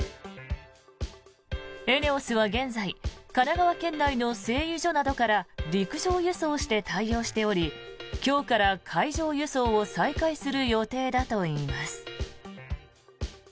ＥＮＥＯＳは現在神奈川県内の製油所などから陸上輸送して対応しており今日から海上輸送を再開する予定だといいます。